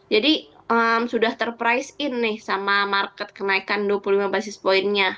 jadi sudah terprice in nih sama market kenaikan dua puluh lima basis point nya